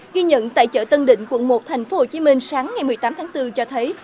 ghi nhận tại chợ tân định quận một tp hcm sáng ngày một mươi tám tháng bốn cho thấy